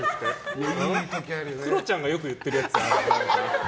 クロちゃんがよく言ってるやつかな。